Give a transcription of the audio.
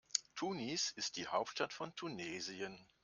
Tunis ist die Hauptstadt von Tunesien.